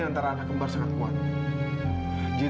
lupa kadanya lo bicara sama dia